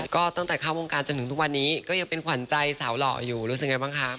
ก็ตั้งแต่เข้าวงการจนถึงทุกวันนี้ก็ยังเป็นขวัญใจสาวหล่ออยู่รู้สึกไงบ้างคะ